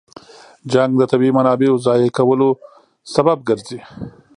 جنګ د طبیعي منابعو ضایع کولو سبب ګرځي.